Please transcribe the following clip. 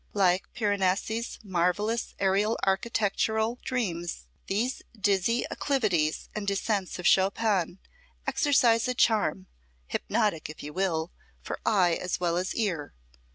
Like Piranesi's marvellous aerial architectural dreams, these dizzy acclivities and descents of Chopin exercise a charm, hypnotic, if you will, for eye as well as ear.